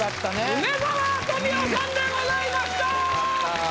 梅沢富美男さんでございました！